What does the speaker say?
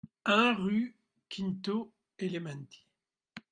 un rue Quinto Elmetti